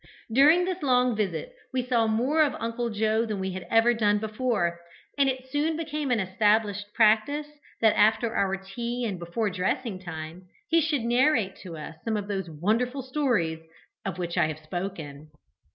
During this long visit we saw more of Uncle Joe than we had ever done before, and it soon became an established practice that, after our tea and before dressing time, he should narrate to us some of those wonderful stories of which I have spoken.